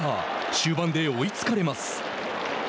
終盤で追いつかれます。